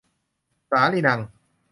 สาลีนัง